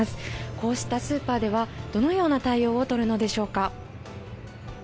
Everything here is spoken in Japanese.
こうしたスーパーでは、どのような対応を取るのでしょうか。